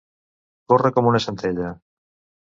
Córrer com una centella.